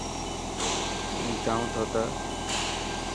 هون چاهون ٿو ته.